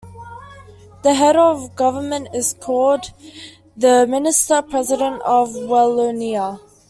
The head of the Government is called the Minister-President of Wallonia.